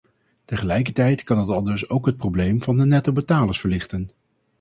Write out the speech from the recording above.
Tegelijkertijd kan het aldus ook het probleem van de nettobetalers verlichten.